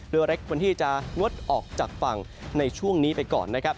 เรือเล็กควรที่จะงดออกจากฝั่งในช่วงนี้ไปก่อนนะครับ